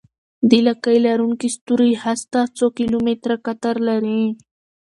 د لکۍ لرونکي ستوري هسته څو کیلومتره قطر لري.